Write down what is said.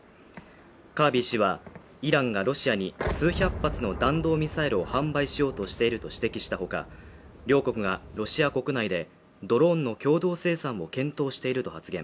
カービー氏はイランがロシアに数百発の弾道ミサイルを販売しようとしていると指摘したほか両国がロシア国内でドローンの共同生産も検討していると発言